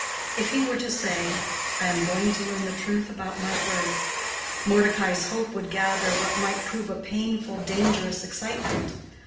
If he were to say, "I am going to learn the truth about my birth," Mordecai's hope would gather what might prove a painful, dangerous excitement.